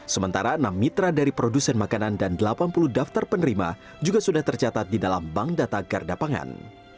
sementara enam mitra dari produsen makanan dan delapan puluh daftar penerima juga sudah tercatat di dalam bank data garda pangan